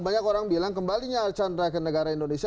banyak orang bilang kembalinya arcandra negara indonesia